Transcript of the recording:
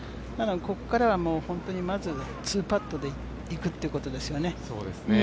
ここからは本当に、まずは２パットでいくっていうことですよね。